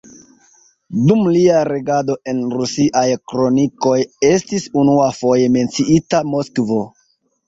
Dum lia regado en rusiaj kronikoj estis unuafoje menciita Moskvo.